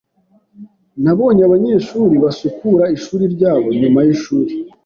Nabonye abanyeshuri basukura ishuri ryabo nyuma yishuri.